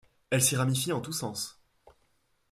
Elles s’y ramifient en tous sens.